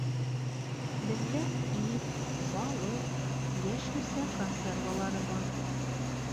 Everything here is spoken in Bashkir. Беҙҙә ит, балыҡ, йәшелсә консервалары бар.